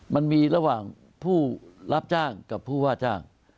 มันมีระหว่างผู้รับจ้างกับผู้ว่าจ้าง